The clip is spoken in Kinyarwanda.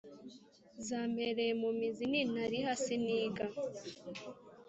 Zampereye mu mizi Nintariha siniga,